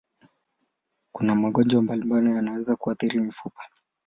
Kuna magonjwa mbalimbali yanayoweza kuathiri mifupa.